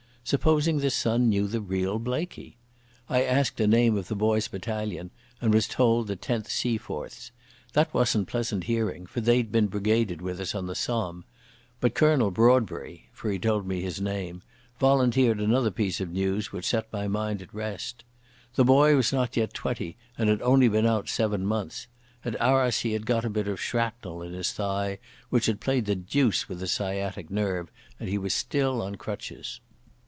Supposing the son knew the real Blaikie! I asked the name of the boy's battalion, and was told the 10th Seaforths. That wasn't pleasant hearing, for they had been brigaded with us on the Somme. But Colonel Broadbury—for he told me his name—volunteered another piece of news which set my mind at rest. The boy was not yet twenty, and had only been out seven months. At Arras he had got a bit of shrapnel in his thigh, which had played the deuce with the sciatic nerve, and he was still on crutches.